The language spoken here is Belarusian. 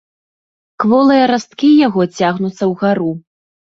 Кволыя расткі яго цягнуцца ўгару.